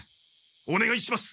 おねがいします！